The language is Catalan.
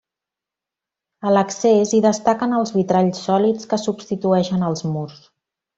A l'accés hi destaquen els vitralls sòlids que substitueixen els murs.